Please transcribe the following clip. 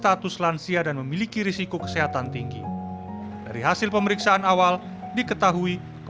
atau seperti itu